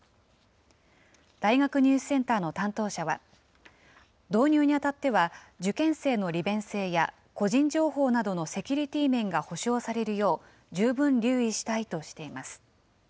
大学入試センターの担当者は、導入にあたっては、受験生の利便性や個人情報などのセキュリティ面が保障されるよう、十分留意したいとしています。